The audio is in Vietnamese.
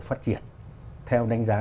phát triển theo đánh giá